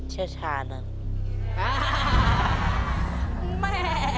เชี่ยวชาญนะ